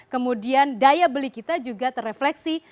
kemudian daya beli kita juga terefleksi